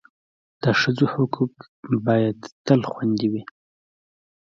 د ښځو حقوق باید تل خوندي وي.